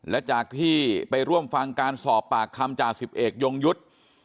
และจากที่ไปร่วมฟังการสอบปากคำจ่าสิบเอกยงยุทธ์